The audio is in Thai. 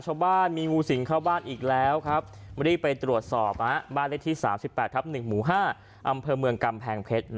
ใช่น่ากลัวเนอะ